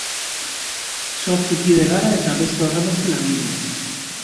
Zortzi kide gara eta beste horrenbeste langile.